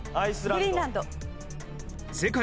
グリーンランド。